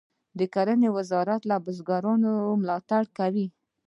د کرنې وزارت له بزګرانو ملاتړ کوي.